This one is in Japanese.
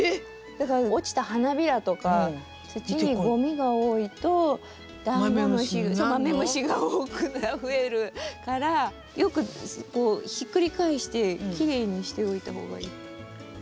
だから落ちた花びらとか土にゴミが多いとダンゴムシマメムシが多くなる増えるからよくこうひっくり返してきれいにしておいたほうがいい。